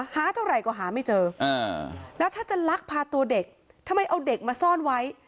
หาเท่าไหร่ก็หาไม่เจอแล้วถ้าจะลักพาตัวเด็กทำไมเอาเด็กมาซ่อนไว้